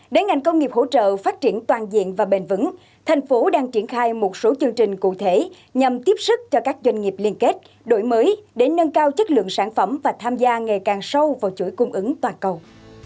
để ngành công nghiệp hỗ trợ phát triển toàn diện và bền vững thành phố đang triển khai một số chương trình cụ thể nhằm tiếp sức cho các doanh nghiệp liên kết đổi mới để nâng cao chất lượng sản phẩm và tham gia ngày càng sâu vào chuỗi cung ứng toàn cầu